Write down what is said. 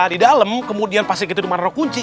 di dalem kemudian pasri kiti dimana nol kunci